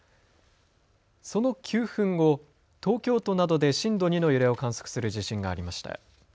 その９分後、東京都などで震度２の揺れを観測する地震がありました。